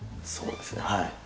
そうですねはい。